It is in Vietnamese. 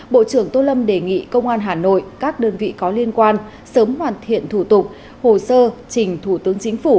bộ trưởng tô lâm đề nghị công an hà nội các đơn vị có liên quan sớm hoàn thiện thủ tục hồ sơ trình thủ tướng chính phủ